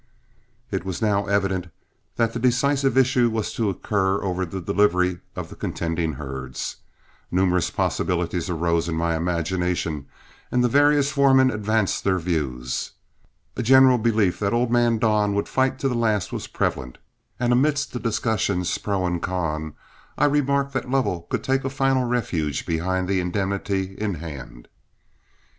It was now evident that the decisive issue was to occur over the delivery of the contending herds. Numerous possibilities arose in my imagination, and the various foremen advanced their views. A general belief that old man Don would fight to the last was prevalent, and amidst the discussions pro and con, I remarked that Lovell could take a final refuge behind the indemnity in hand.